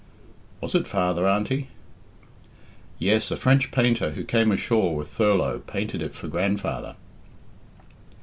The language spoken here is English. "Was it father, Auntie?" "Yes; a French painter who came ashore with Thurlot painted it for grandfather."